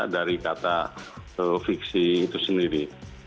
dari kata fiksi itu sendiri